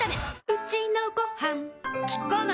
うちのごはんキッコーマン